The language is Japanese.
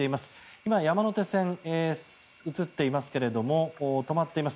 今、山手線が映っていますけれども止まっています。